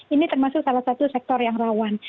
ini termasuk salah satu sektor yang rawan